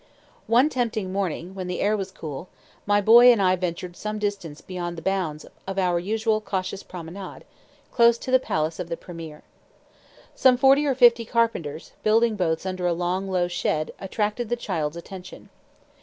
One tempting morning, when the air was cool, my boy and I ventured some distance beyond the bounds of our usual cautious promenade, close to the palace of the premier. Some forty or fifty carpenters, building boats under a long low shed, attracted the child's attention.